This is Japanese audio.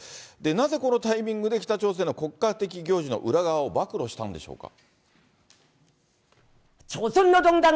なぜこのタイミングで、北朝鮮の国家的行事の裏側を暴露したんでしょうか。